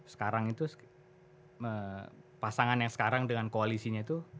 sekarang itu pasangan yang sekarang dengan koalisinya itu